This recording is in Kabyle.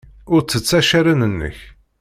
Ur ttett accaren-nnek.